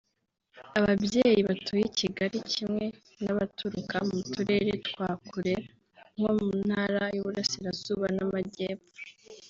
Ababyeyi batuye i Kigali kimwe n’abaturuka mu turere twa kure nko mu Ntara y’Uburasirazuba n’Amajyepfo